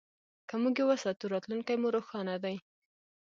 که موږ یې وساتو، راتلونکی مو روښانه دی.